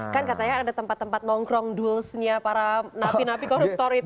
kan katanya ada tempat tempat nongkrong duelsnya para napi napi koruptor itu